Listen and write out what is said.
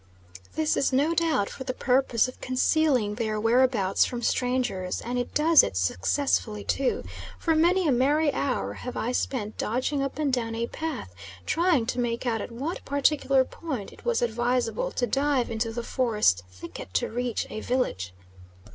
This is no doubt for the purpose of concealing their whereabouts from strangers, and it does it successfully too, for many a merry hour have I spent dodging up and down a path trying to make out at what particular point it was advisable to dive into the forest thicket to reach a village.